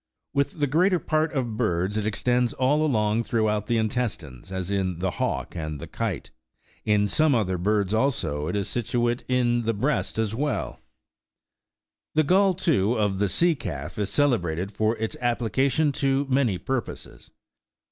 With the greater part of birds, it extends all along throughout the intestines, as in the hawk and the kite. In some other birds, also, it is situate in the breast as well : the gall, too, of the sea calf is celebrated for its application to many purposes.